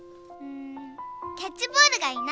んーキャッチボールがいいな